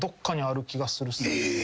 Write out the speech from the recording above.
え。